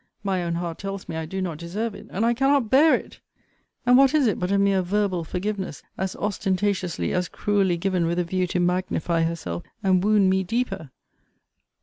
My own heart tells me I do not deserve it; and I cannot bear it! And what is it but a mere verbal forgiveness, as ostentatiously as cruelly given with a view to magnify herself, and wound me deeper!